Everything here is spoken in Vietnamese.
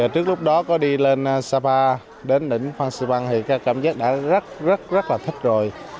trước lúc đó có đi lên sapa đến đỉnh phan xư băng thì cảm giác đã rất rất rất là thích rồi